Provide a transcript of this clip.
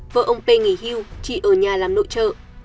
vợ ông p nghỉ hưu chị ở nhà làm nội trợ